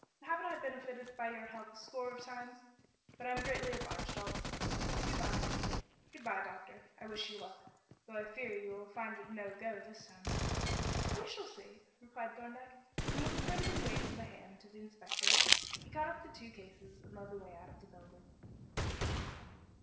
"Haven't I benefited by your help a score of times? But I am greatly obliged all the same. Good bye." "Good bye, doctor. I wish you luck, though I fear you will find it 'no go' this time." "We shall see," replied Thorndyke, and with a friendly wave of the hand to the inspector he caught up the two cases and led the way out of the building.